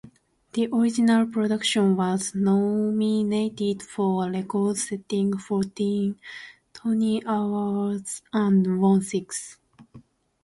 The original production was nominated for a record-setting fourteen Tony Awards and won six.